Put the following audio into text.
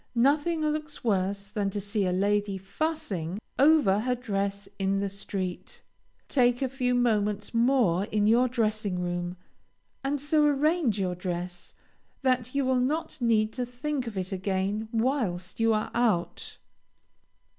Nothing looks worse than to see a lady fussing over her dress in the street. Take a few moments more in your dressing room, and so arrange your dress that you will not need to think of it again whilst you are out.